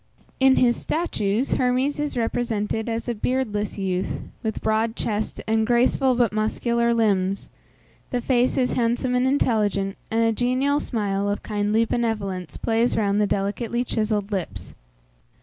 In his statues, Hermes is represented as a beardless youth, with broad chest and graceful but muscular limbs; the face is handsome and intelligent, and a genial smile of kindly benevolence plays round the delicately chiselled lips.